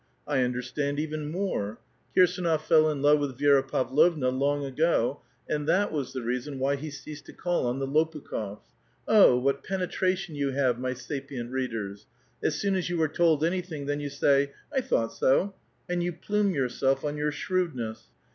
I understand even more ; Kii'8^i:jof fell in love with Vi4ra Pavlovna long ago, and that ^was the reason why he ceased to call on the Lopu kh6fs^ Oh, what penetration you have, my sapient readers ! As soon as you are told anything, then you say, '' I thought so, sl\k\ you plume yourself on your shrewdness.